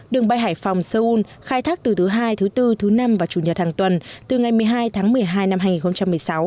đường bay hải phòng seoul khai thác từ thứ hai thứ bốn thứ năm và chủ nhật hàng tuần từ ngày một mươi hai tháng một mươi hai năm hai nghìn một mươi sáu